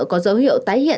có dấu hiệu tái hóa